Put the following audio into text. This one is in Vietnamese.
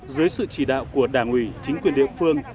dưới sự chỉ đạo của đảng ủy chính quyền địa phương